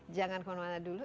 jangan kemana mana dulu